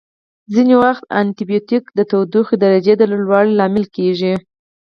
ځینې وختونه انټي بیوټیک د تودوخې درجې د لوړوالي لامل کیږي.